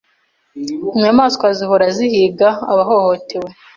Inyamanswa zihora zihiga abahohotewe.